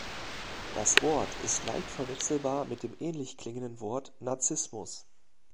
Das Wort ist leicht verwechselbar mit dem ähnlich klingenden Wort Narzissmus.